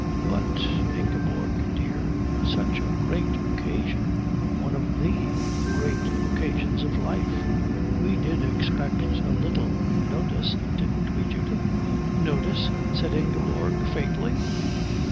"But, Ingeborg dear, such a great occasion. One of the great occasions of life. We did expect a little notice, didn't we, Judith?" "Notice?" said Ingeborg faintly.